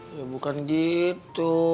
ya bukan gitu